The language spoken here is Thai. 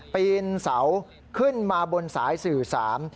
ปีนเสาขึ้นมาบนสายสื่อสาร